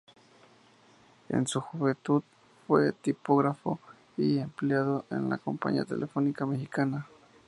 En su juventud fue tipógrafo y empleado de la Compañía Telefónica Mexicana.